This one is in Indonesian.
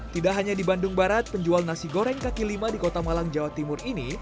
tidak hanya di bandung barat penjual nasi goreng kaki lima di kota malang jawa timur ini